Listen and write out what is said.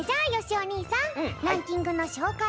お兄さんランキングのしょうかい